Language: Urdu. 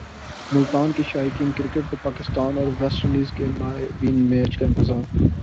ملتان کے شائقین کرکٹ کو پاکستان اور ویسٹ انڈیز کے مابین میچ کا انتظار